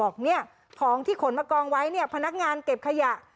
ของที่ขนมากองไว้พนักงานเก็บขยะ